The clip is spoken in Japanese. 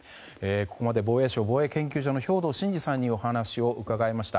ここまで防衛省防衛研究所の兵頭慎治さんにお話を伺いました。